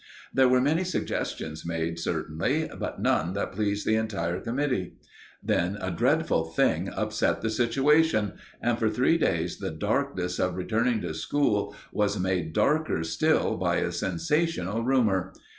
There were many suggestions made, certainly, but none that pleased the entire committee. Then a dreadful thing upset the situation, and for three days the darkness of returning to school was made darker still by a sensational rumour.